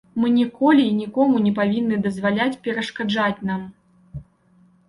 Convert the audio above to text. Мы ніколі і нікому не павінны дазваляць перашкаджаць нам.